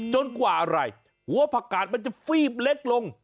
กว่าอะไรหัวผักกาดมันจะฟีบเล็กลง